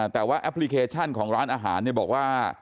แต่ว่าแอปพลิเคชันของร้านอาหารบอกว่า